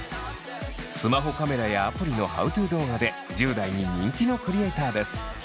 スマホカメラやアプリのＨｏｗｔｏ動画で１０代に人気のクリエイターです。